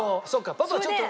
パパちょっと。